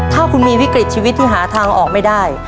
ถ้าคุณมีวิกฤตชีวิตที่หาทางออกไม่ได้